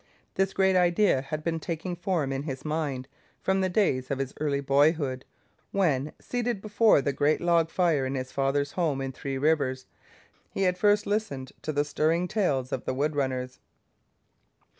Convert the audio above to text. This great idea had been taking form in his mind from the days of his early boyhood, when, seated before the great log fire in his father's home in Three Rivers, he had first listened to the stirring tales of the woodrunners.